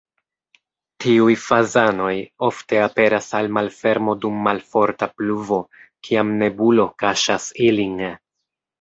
Tiuj fazanoj ofte aperas al malfermo dum malforta pluvo, kiam nebulo kaŝas ilin.